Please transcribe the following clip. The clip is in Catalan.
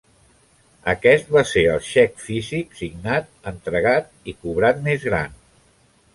Aquest va ser el xec físic signat, entregat i cobrat més gran.